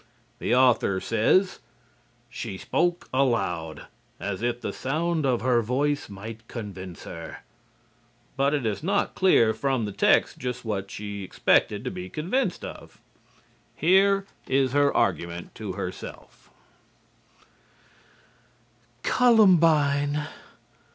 The author says: "She spoke aloud, as if the sound of her voice might convince her," but it is not clear from the text just what she expected to be convinced of. Here is her argument to herself: "COLUMBINE!...